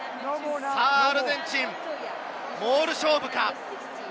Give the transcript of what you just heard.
アルゼンチン、モール勝負か。